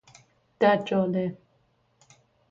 دجاله